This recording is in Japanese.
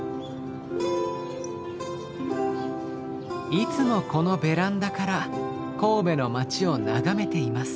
いつもこのベランダから神戸の街を眺めています。